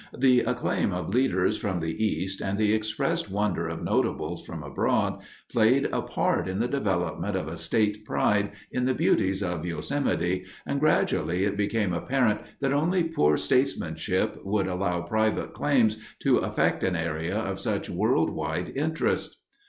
The acclaim of leaders from the East and the expressed wonder of notables from abroad played a part in the development of a state pride in the beauties of Yosemite, and, gradually, it became apparent that only poor statesmanship would allow private claims to affect an area of such world wide interest.